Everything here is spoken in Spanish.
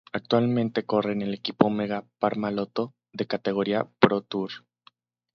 Actualmente corre en el equipo Omega Pharma-Lotto, de categoría ProTour.